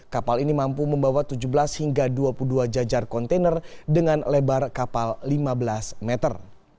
kapal ini mampu membawa tujuh belas hingga dua puluh dua jajar kontainer dengan lebar kapal lima belas meter